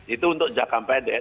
itu untuk jangka pendek